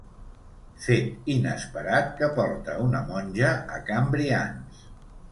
Fet inesperat que porta una monja a Can Brians.